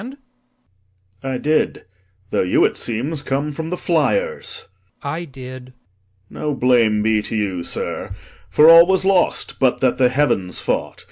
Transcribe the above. I did: Though you, it seems, come from the fliers. LORD. I did. POSTHUMUS. No blame be to you, sir, for all was lost, But that the heavens fought.